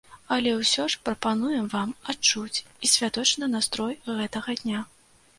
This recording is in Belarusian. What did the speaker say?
Але ўсё ж прапануем вам адчуць і святочны настрой гэтага дня.